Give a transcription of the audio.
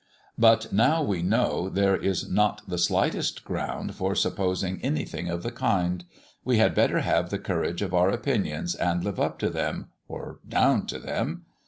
But now we know there is not the slightest ground for supposing anything of the kind, we had better have the courage of our opinions, and live up to them, or down to them.